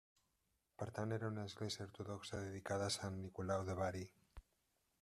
Per tant, era una església ortodoxa dedicada a Sant Nicolau de Bari.